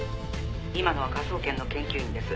「今のは科捜研の研究員です」